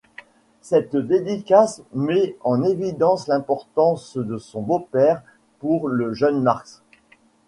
Cette dédicace met en évidence l'importance de son beau-père pour le jeune Marx.